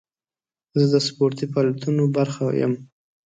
زه د سپورتي فعالیتونو برخه یم.